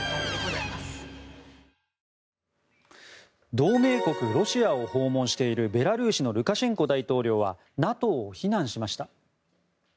同盟国ロシアを訪問しているベラルーシのルカシェンコ大統領はＮＡＴＯを非難しました。